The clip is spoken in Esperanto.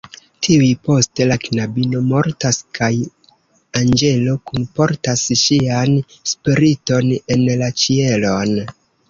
Tuj poste la knabino mortas kaj anĝelo kunportas ŝian spiriton en la ĉielon.